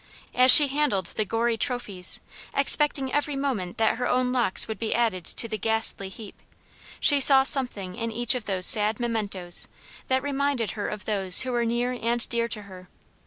As she handled the gory trophies, expecting every moment that her own locks would be added to the ghastly heap, she saw something in each of those sad mementos that reminded her of those who were near and dear to her.